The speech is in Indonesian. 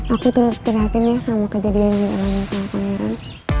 aku terlalu terhati hati sama kejadian yang dia lakukan sama pak regan